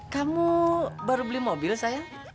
kamu baru beli mobil saya